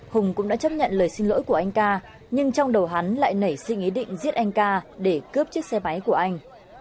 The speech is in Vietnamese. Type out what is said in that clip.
hùng cũng đã chấp nhận lời xin lỗi của anh ca nhưng trong đầu hắn lại nảy sinh ý định giết anh ca để cướp chiếc xe máy của anh